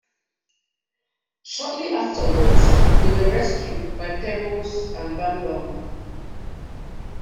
Shortly afterwards they are rescued by Pebbles and Bamm Bamm.